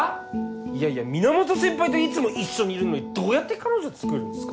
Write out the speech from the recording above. いやいや源先輩といつも一緒にいるのにどうやって彼女つくるんすか。